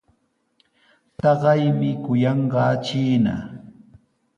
Taqaymi kuyanqaa chiina.